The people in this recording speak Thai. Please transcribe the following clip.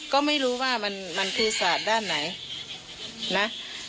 ก็ไม่รู้ว่ามันคือศาสตร์ด้านไหนนะ